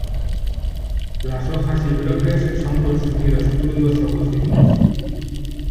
Las hojas y brotes son consumidos crudos o cocidos.